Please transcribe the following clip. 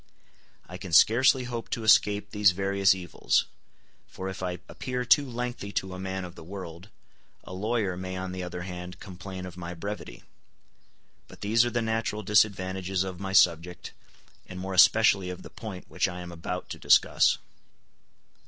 I can scarcely hope to escape these various evils; for if I appear too lengthy to a man of the world, a lawyer may on the other hand complain of my brevity. But these are the natural disadvantages of my subject, and more especially of the point which I am about to discuss.